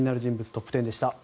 トップ１０でした。